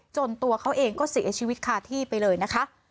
ตัวเขาเองก็เสียชีวิตคาที่ไปเลยนะคะ